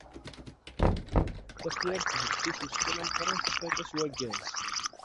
Tafyirt tbeddu s usekkil ameqqran, tettfakka s wagaz.